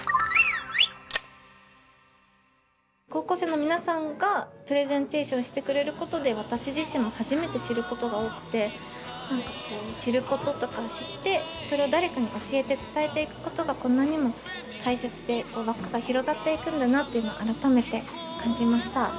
高校生の皆さんがプレゼンテーションしてくれることで私自身も初めて知ることが多くて知ることとか知ってそれを誰かに教えて伝えていくことがこんなにも大切で輪っかが広がっていくんだなっていうのを改めて感じました。